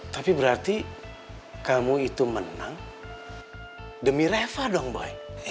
tapi berarti kamu itu menang demi reva dong baik